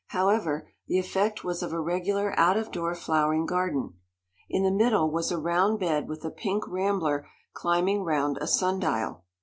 However, the effect was of a regular out of door flowering garden. In the middle was a round bed with a pink rambler climbing round a sun dial.